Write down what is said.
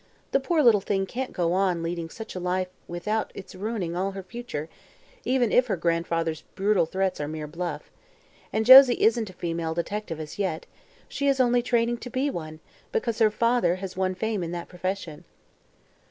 "The poor little thing can't go on leading such a life without its ruining all her future, even if her grandfather's brutal threats are mere bluff. And Josie isn't a female detective, as yet; she is only training to be one, because her father has won fame in that profession."